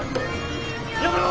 やめろ！